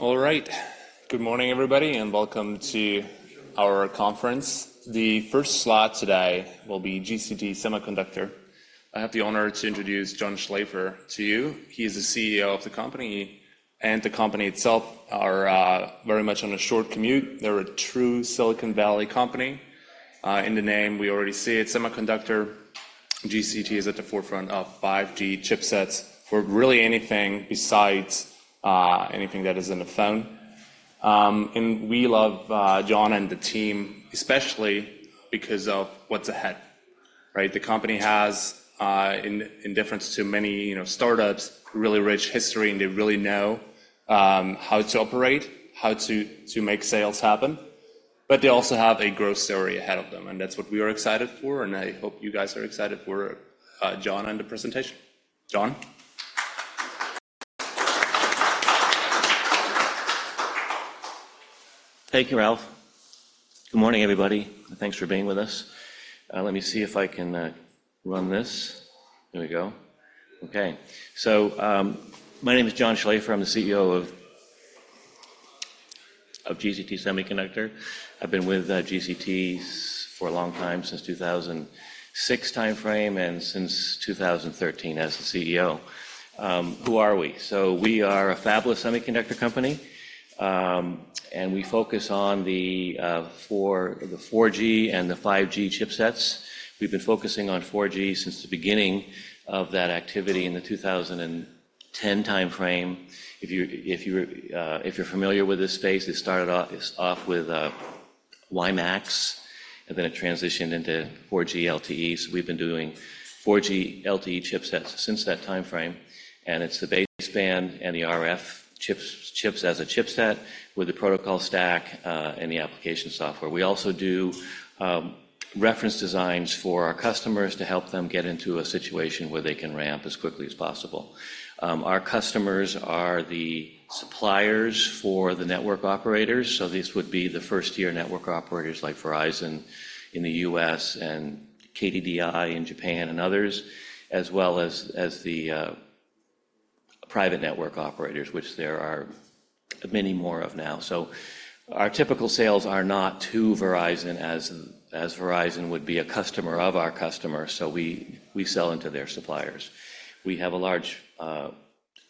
All right. Good morning, everybody, and welcome to our conference. The first slot today will be GCT Semiconductor. I have the honor to introduce John Schlaefer to you. He is the CEO of the company, and the company itself are very much on a short commute. They're a true Silicon Valley company. In the name, we already see it, Semiconductor. GCT is at the forefront of 5G chipsets for really anything besides anything that is in a phone, and we love John and the team, especially because of what's ahead, right? The company has, in deference to many, you know, startups, really rich history, and they really know how to operate, how to make sales happen, but they also have a growth story ahead of them, and that's what we are excited for, and I hope you guys are excited for John and the presentation. John? Thank you, Ralph. Good morning, everybody, and thanks for being with us. Let me see if I can run this. There we go. Okay. So, my name is John Schlaefer. I'm the CEO of GCT Semiconductor. I've been with GCT for a long time, since 2006 timeframe, and since 2013 as the CEO. Who are we? So we are a fabless semiconductor company, and we focus on the 4G and the 5G chipsets. We've been focusing on 4G since the beginning of that activity in the 2010 timeframe. If you're familiar with this space, it started off with WiMAX, and then it transitioned into 4G LTE. So we've been doing 4G LTE chipsets since that timeframe, and it's the baseband and the RF chips, chips as a chipset with the protocol stack and the application software. We also do reference designs for our customers to help them get into a situation where they can ramp as quickly as possible. Our customers are the suppliers for the network operators, so these would be the first-tier network operators like Verizon in the U.S. and KDDI in Japan and others, as well as the private network operators, which there are many more of now. Our typical sales are not to Verizon, as Verizon would be a customer of our customer, so we sell into their suppliers. We have a large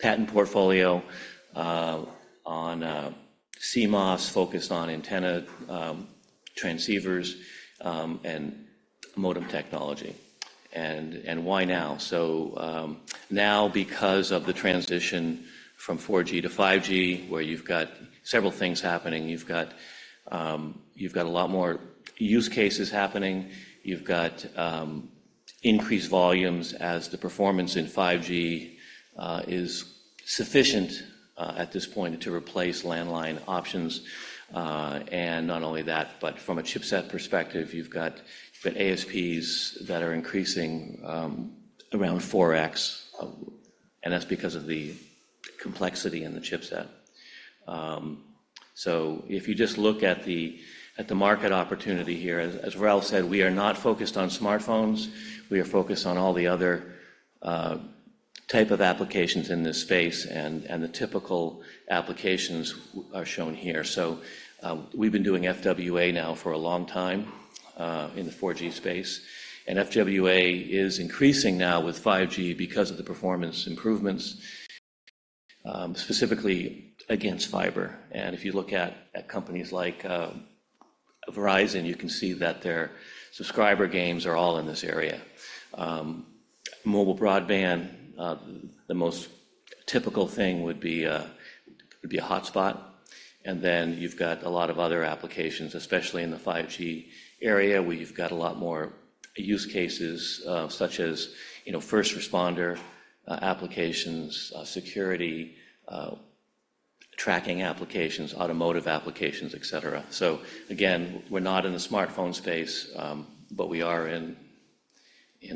patent portfolio on CMOS focused on antenna transceivers and modem technology. Why now? Now, because of the transition from 4G to 5G, where you've got several things happening. You've got a lot more use cases happening. You've got increased volumes as the performance in 5G is sufficient at this point to replace landline options. And not only that, but from a chipset perspective, you've got ASPs that are increasing around 4X, and that's because of the complexity in the chipset. So if you just look at the market opportunity here, as Ralph said, we are not focused on smartphones. We are focused on all the other type of applications in this space, and the typical applications are shown here. So, we've been doing FWA now for a long time in the 4G space, and FWA is increasing now with 5G because of the performance improvements, specifically against fiber. And if you look at companies like Verizon, you can see that their subscriber gains are all in this area. Mobile broadband, the most typical thing would be a hotspot, and then you've got a lot of other applications, especially in the 5G area, where you've got a lot more use cases, such as, you know, first responder applications, security, tracking applications, automotive applications, et cetera. So again, we're not in the smartphone space, but we are in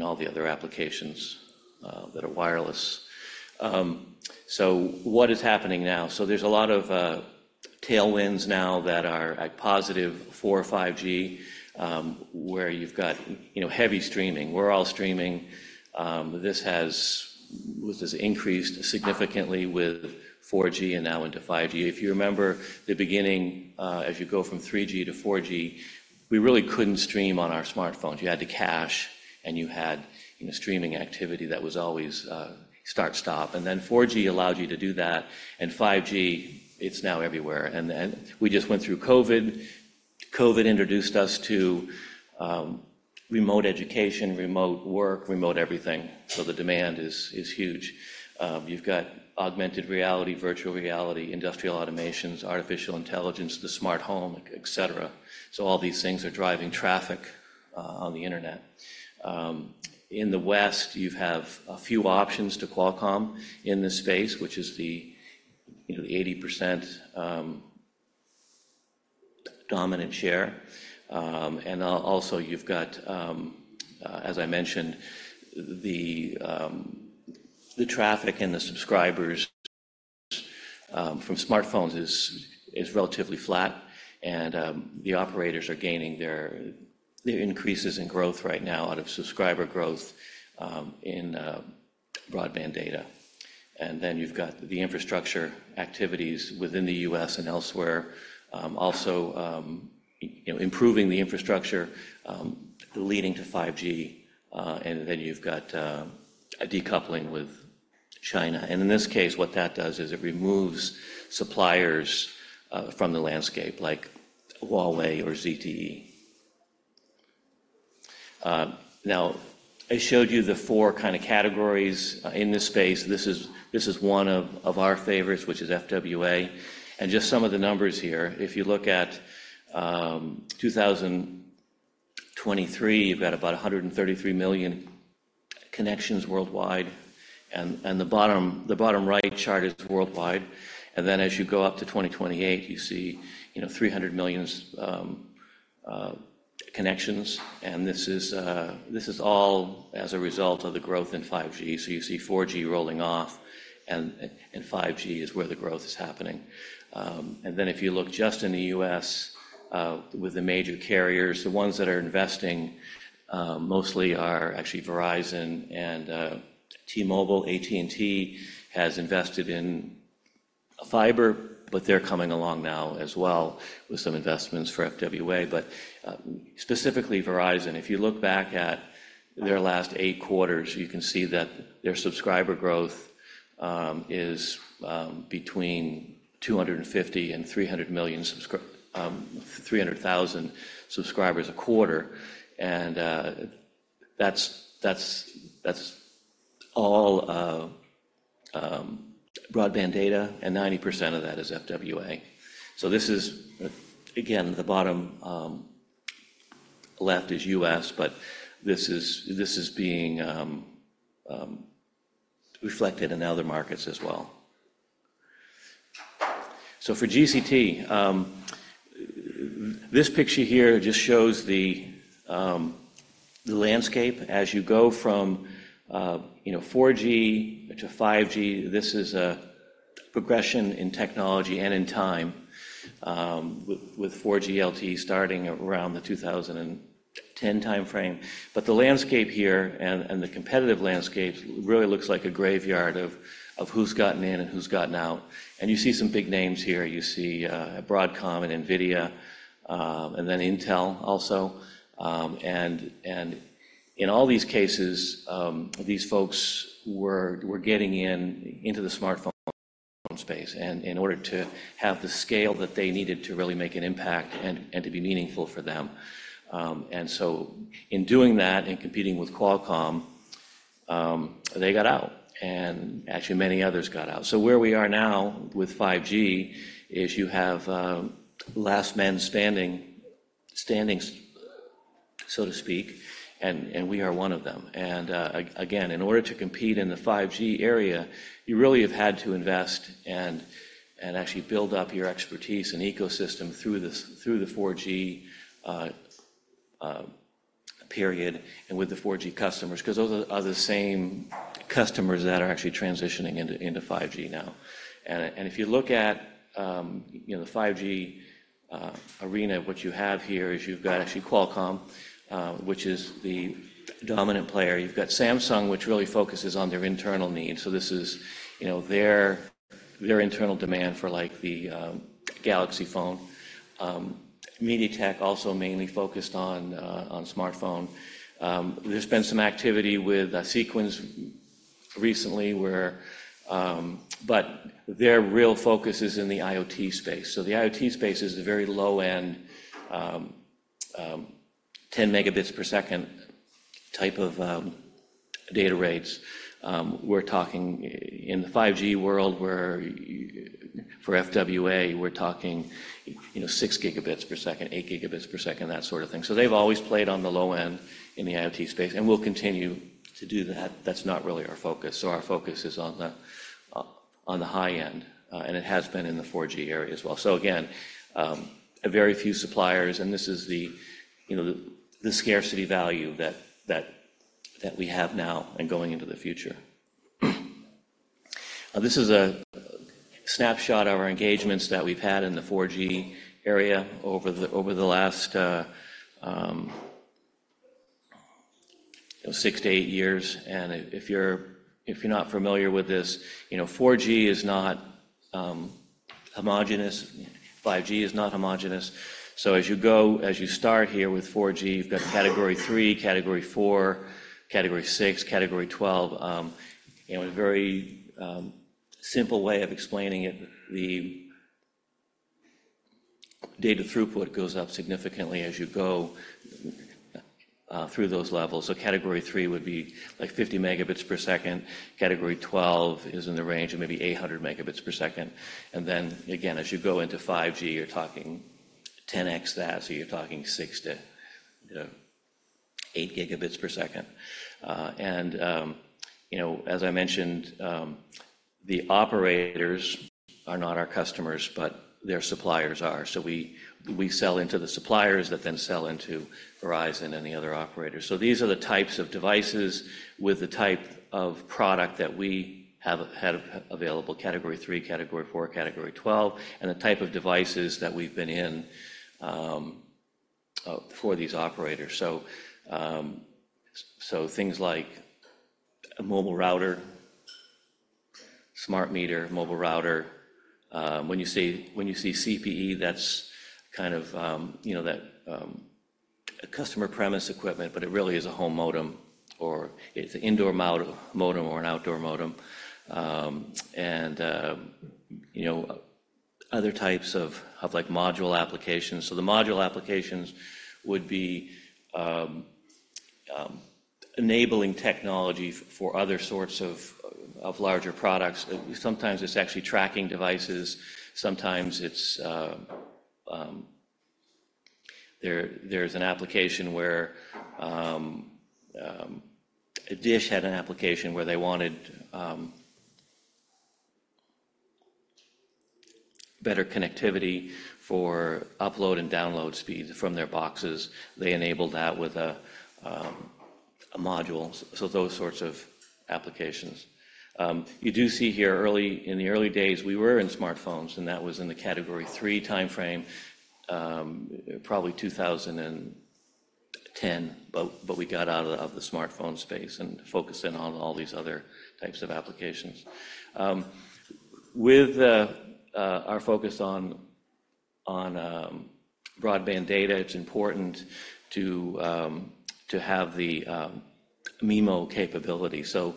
all the other applications that are wireless. So what is happening now? So there's a lot of tailwinds now that are a positive for 5G, where you've got, you know, heavy streaming. We're all streaming. This has increased significantly with 4G and now into 5G. If you remember the beginning, as you go from 3G to 4G, we really couldn't stream on our smartphones. You had to cache, and you had, you know, streaming activity that was always start, stop. And then 4G allowed you to do that, and 5G, it's now everywhere, and then we just went through COVID. COVID introduced us to remote education, remote work, remote everything, so the demand is huge. You've got augmented reality, virtual reality, industrial automations, artificial intelligence, the smart home, et cetera. So all these things are driving traffic on the internet. In the West, you have a few options to Qualcomm in this space, which is, you know, the 80% dominant share. And also, you've got, as I mentioned, the traffic and the subscribers from smartphones is relatively flat, and the operators are gaining their increases in growth right now out of subscriber growth in broadband data. And then you've got the infrastructure activities within the U.S. and elsewhere. Also, you know, improving the infrastructure leading to 5G, and then you've got a decoupling with China. And in this case, what that does is it removes suppliers from the landscape, like Huawei or ZTE. Now, I showed you the four kind of categories in this space. This is one of our favorites, which is FWA, and just some of the numbers here. If you look at 2023, you've got about 133 million connections worldwide, and the bottom right chart is worldwide. Then, as you go up to 2028, you see, you know, 300 million connections, and this is all as a result of the growth in 5G. So you see 4G rolling off, and 5G is where the growth is happening. Then, if you look just in the U.S., with the major carriers, the ones that are investing mostly are actually Verizon and T-Mobile. AT&T has invested in fiber, but they're coming along now as well with some investments for FWA. But, specifically Verizon, if you look back at their last eight quarters, you can see that their subscriber growth is between 250,000 and 300,000 subscribers a quarter, and that's all broadband data, and 90% of that is FWA. So this is again, the bottom left is U.S., but this is being reflected in other markets as well. So for GCT, this picture here just shows the landscape as you go from, you know, 4G to 5G. This is a progression in technology and in time, with 4G LTE starting around the 2010 timeframe. But the landscape here and the competitive landscape really looks like a graveyard of who's gotten in and who's gotten out, and you see some big names here. You see Broadcom and NVIDIA, and then Intel also. And in all these cases, these folks were getting into the smartphone space, and in order to have the scale that they needed to really make an impact and to be meaningful for them. And so in doing that and competing with Qualcomm, they got out, and actually many others got out. So where we are now with 5G is you have last man standing so to speak, and we are one of them. Again, in order to compete in the 5G area, you really have had to invest and actually build up your expertise and ecosystem through the 4G period and with the 4G customers, 'cause those are the same customers that are actually transitioning into 5G now. If you look at, you know, the 5G arena, what you have here is you've got actually Qualcomm, which is the dominant player. You've got Samsung, which really focuses on their internal needs, so this is, you know, their internal demand for, like, the Galaxy phone. MediaTek also mainly focused on smartphone. There's been some activity with Sequans recently where. But their real focus is in the IoT space. So the IoT space is the very low end, ten megabits per second type of data rates. We're talking in the 5G world, where for FWA, we're talking, you know, six gigabits per second, eight gigabits per second, that sort of thing. So they've always played on the low end in the IoT space and will continue to do that. That's not really our focus, so our focus is on the high end, and it has been in the 4G area as well. So again, a very few suppliers, and this is the, you know, the scarcity value that we have now and going into the future. This is a snapshot of our engagements that we've had in the 4G area over the last six to eight years, and if you're not familiar with this, you know, 4G is not homogeneous. 5G is not homogeneous. So as you start here with 4G, you've got Category 3, Category 4, Category 6, Category 12. You know, a very simple way of explaining it, the data throughput goes up significantly as you go through those levels. So Category 3 would be like 50 megabits per second. Category 12 is in the range of maybe 800 megabits per second. And then, again, as you go into 5G, you're talking 10x that, so you're talking 6 to 8 gigabits per second. You know, as I mentioned, the operators are not our customers, but their suppliers are. So we sell into the suppliers that then sell into Verizon and the other operators. So these are the types of devices with the type of product that we have had available, Category 3, Category 4, Category 12, and the type of devices that we've been in for these operators. So things like a mobile router, smart meter, mobile router. When you see CPE, that's kind of, you know, that customer premises equipment, but it really is a home modem, or it's an indoor modem or an outdoor modem. You know, other types of like module applications. So the module applications would be enabling technology for other sorts of larger products. Sometimes it's actually tracking devices. Sometimes there's an application where DISH had an application where they wanted better connectivity for upload and download speed from their boxes. They enabled that with a module, so those sorts of applications. You do see here early in the early days, we were in smartphones, and that was in the Category 3 timeframe, probably 2010, but we got out of the smartphone space and focused in on all these other types of applications. With our focus on broadband data, it's important to have the MIMO capability. So,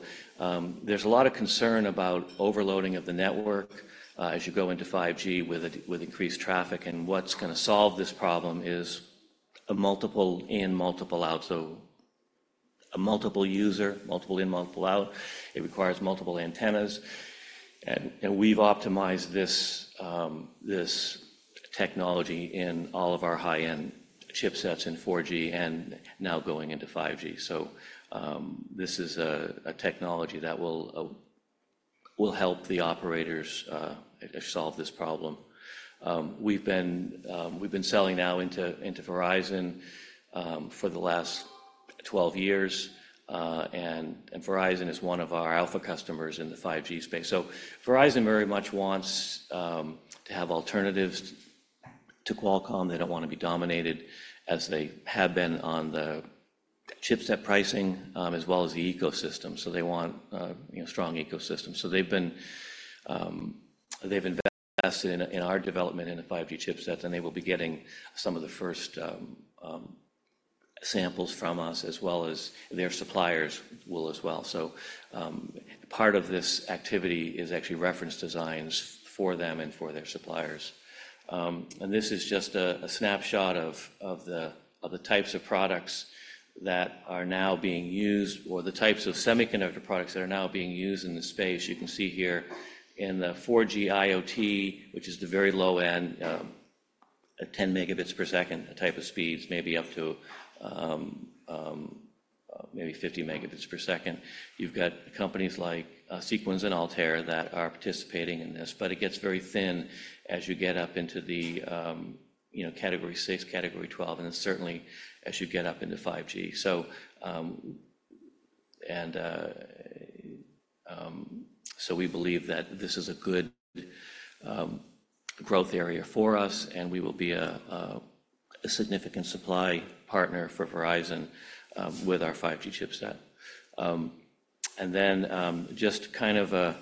there's a lot of concern about overloading of the network, as you go into 5G with increased traffic, and what's gonna solve this problem is a multiple in, multiple out. So a multiple user, multiple in, multiple out, it requires multiple antennas, and we've optimized this technology in all of our high-end chipsets in 4G and now going into 5G. This is a technology that will help the operators solve this problem. We've been selling now into Verizon for the last 12 years, and Verizon is one of our alpha customers in the 5G space. Verizon very much wants to have alternatives to Qualcomm. They don't want to be dominated as they have been on the chipset pricing, as well as the ecosystem. So they want, you know, strong ecosystems. So they've been, they've invested in our development in the 5G chipsets, and they will be getting some of the first samples from us, as well as their suppliers will as well. So, part of this activity is actually reference designs for them and for their suppliers. And this is just a snapshot of the types of products that are now being used or the types of semiconductor products that are now being used in the space. You can see here in the 4G IoT, which is the very low end, 10 megabits per second type of speeds, maybe up to, maybe 50 megabits per second. You've got companies like Sequans and Altair that are participating in this, but it gets very thin as you get up into the, you know, Category 6, Category 12, and then certainly as you get up into 5G, so we believe that this is a good growth area for us, and we will be a significant supply partner for Verizon with our 5G chipset and then just kind of a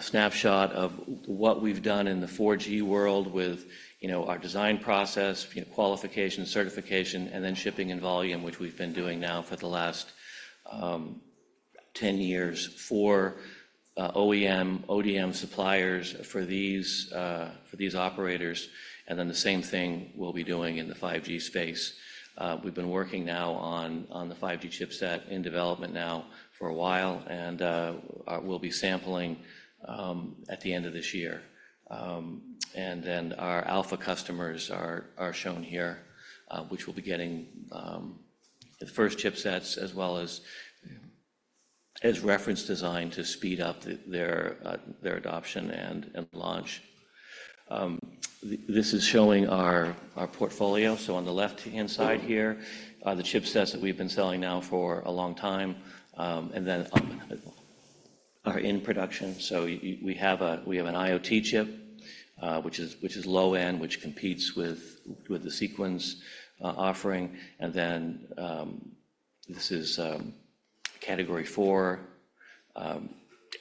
snapshot of what we've done in the 4G world with, you know, our design process, you know, qualification, certification, and then shipping and volume, which we've been doing now for the last 10 years for OEM, ODM suppliers for these operators, and then the same thing we'll be doing in the 5G space. We've been working now on the 5G chipset in development now for a while, and we'll be sampling at the end of this year, and then our alpha customers are shown here, which will be getting the first chipsets, as well as reference design to speed up their adoption and launch. This is showing our portfolio, so on the left-hand side here, the chipsets that we've been selling now for a long time, and then are in production. So we have an IoT chip, which is low end, which competes with the Sequans offering, and then this is Category 4,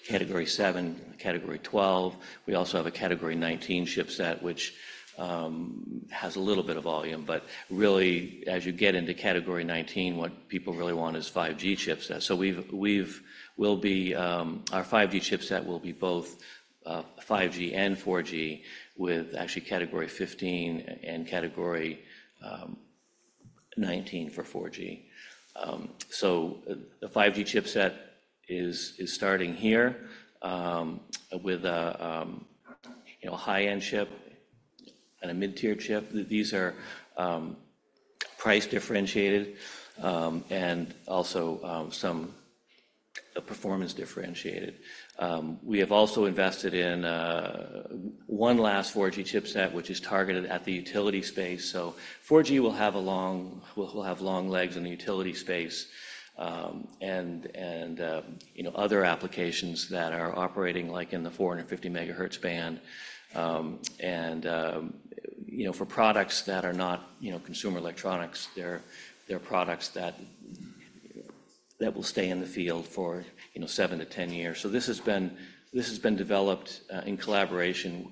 Category 7, Category 12. We also have a Category 19 chipset, which has a little bit of volume, but really, as you get into Category 19, what people really want is 5G chipsets. So our 5G chipset will be both 5G and 4G, with actually Category 15 and Category 19 for 4G. So the 5G chipset is starting here with a you know a high-end chip and a mid-tier chip. These are price differentiated and also some performance differentiated. We have also invested in one last 4G chipset, which is targeted at the utility space. 4G will have long legs in the utility space, and you know, other applications that are operating like in the 450 megahertz band. And you know, for products that are not you know, consumer electronics, they're products that will stay in the field for you know, seven to 10 years. This has been developed in collaboration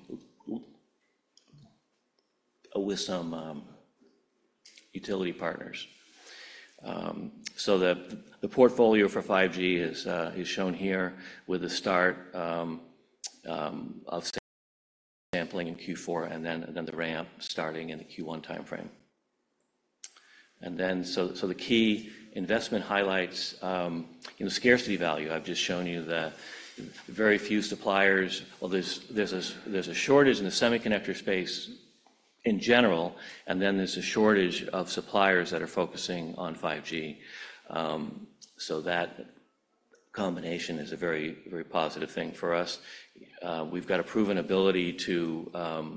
with some utility partners. The portfolio for 5G is shown here with the start of sampling in Q4, and then the ramp starting in the Q1 timeframe. The key investment highlights you know, scarcity value. I've just shown you the very few suppliers. There's a shortage in the semiconductor space in general, and then there's a shortage of suppliers that are focusing on 5G. So that combination is a very, very positive thing for us. We've got a proven ability to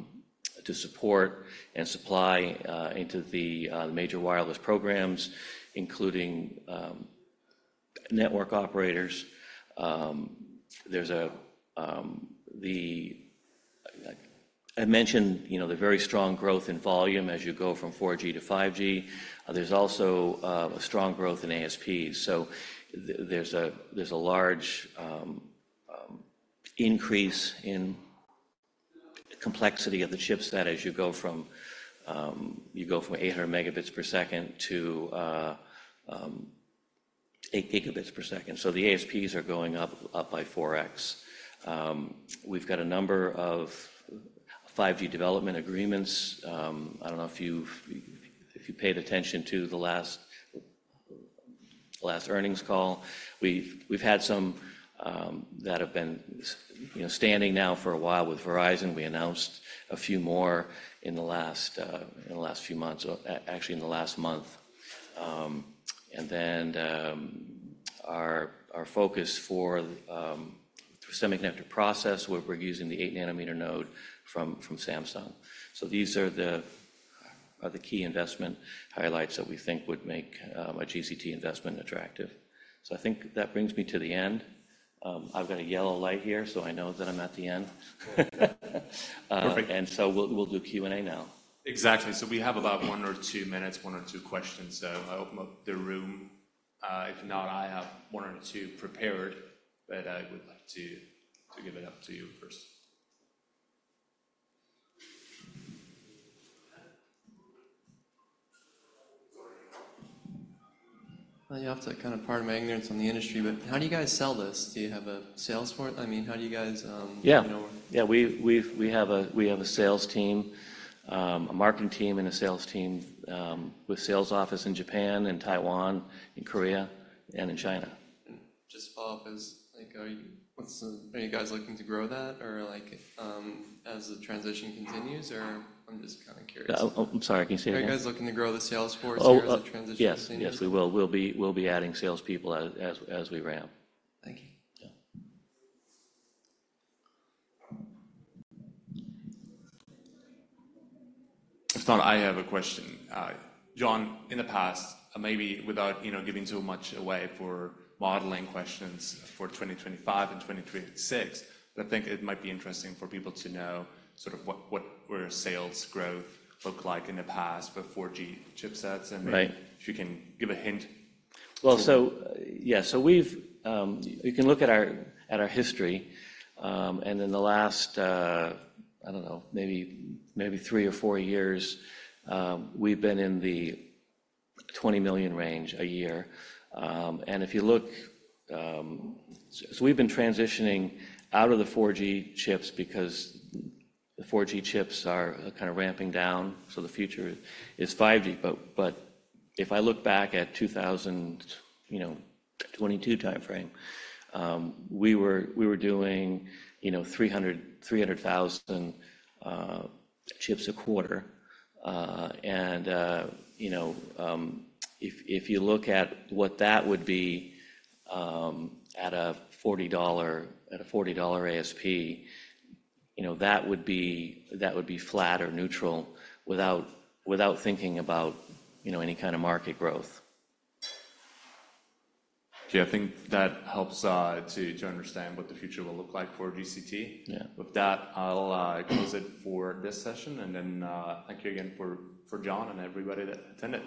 support and supply into the major wireless programs, including network operators. I mentioned, you know, the very strong growth in volume as you go from 4G to 5G. There's also a strong growth in ASPs. So there's a large increase in complexity of the chips that, as you go from 800 megabits per second to 8 gigabits per second. So the ASPs are going up by 4X. We've got a number of 5G development agreements. I don't know if you've paid attention to the last earnings call. We've had some that have been, you know, standing now for a while with Verizon. We announced a few more in the last few months, actually in the last month. And then, our focus for the semiconductor process, we're using the eight-nanometer node from Samsung. So these are the key investment highlights that we think would make a GCT investment attractive. So I think that brings me to the end. I've got a yellow light here, so I know that I'm at the end. Perfect. And so we'll do Q&A now. Exactly. So we have about one or two minutes, one or two questions. So I open up the room. If not, I have one or two prepared, but I would like to give it up to you first. You have to kind of pardon my ignorance on the industry, but how do you guys sell this? Do you have a sales force? I mean, how do you guys, you know- Yeah. Yeah, we have a sales team, a marketing team and a sales team, with sales office in Japan and Taiwan and Korea and in China. Just to follow up, like, are you guys looking to grow that, or, like, as the transition continues, or... I'm just kind of curious. Oh, I'm sorry. Can you say it again? Are you guys looking to grow the sales force? Oh, uh- -as the transition continues? Yes. Yes, we will. We'll be adding salespeople as we ramp. Thank you. Yeah. If not, I have a question. John, in the past, maybe without, you know, giving too much away for modeling questions for 2025 and 2026, but I think it might be interesting for people to know sort of what where sales growth looked like in the past for 4G chipsets- Right. and maybe if you can give a hint. You can look at our history and in the last, I don't know, maybe three or four years, we've been in the $20 million range a year. If you look, we've been transitioning out of the 4G chips because the 4G chips are kind of ramping down, so the future is 5G. But if I look back at 2022 timeframe, you know, we were doing, you know, 300,000 chips a quarter. And, you know, if you look at what that would be at a $40 ASP, you know, that would be flat or neutral without thinking about, you know, any kind of market growth. Okay, I think that helps to understand what the future will look like for GCT. Yeah. With that, I'll close it for this session, and then thank you again for John and everybody that attended.